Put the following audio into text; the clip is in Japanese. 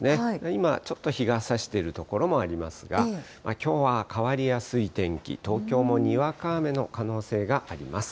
今、ちょっと日がさしてる所もありますが、きょうは変わりやすい天気、東京もにわか雨の可能性があります。